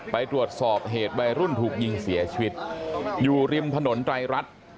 ไปตรวจสอบเหตุวัยรุ่นถูกยิงเสียชีวิตอยู่ริมถนนไตรรัฐ